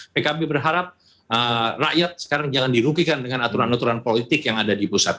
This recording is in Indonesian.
pkb berharap rakyat sekarang jangan dirugikan dengan aturan aturan politik yang ada di pusat